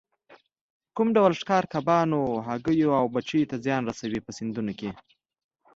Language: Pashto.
کوم ډول ښکار کبانو، هګیو او بچیو ته زیان رسوي په سیندونو کې.